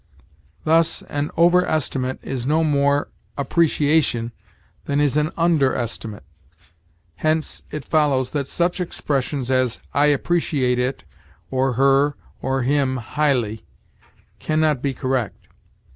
Thus, an overestimate is no more appreciation than is an underestimate; hence it follows that such expressions as, "I appreciate it, or her, or him, highly," can not be correct.